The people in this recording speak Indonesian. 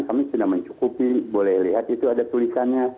kami sudah mencukupi boleh lihat itu ada tulisannya